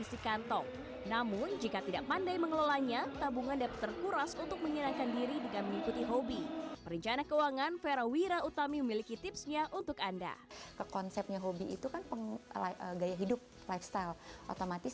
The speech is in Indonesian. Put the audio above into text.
beberapa hobi yang mahal memang bisa menjadi puni puni rupiah untuk menambah isi